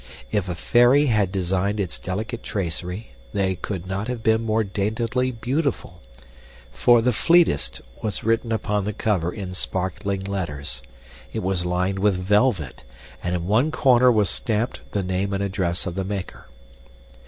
If a fairy had designed its delicate tracery, they could not have been more daintily beautiful. "For the Fleetest" was written upon the cover in sparkling letters. It was lined with velvet, and in one corner was stamped the name and address of the maker.